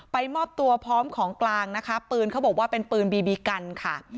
มอบตัวพร้อมของกลางนะคะปืนเขาบอกว่าเป็นปืนบีบีกันค่ะ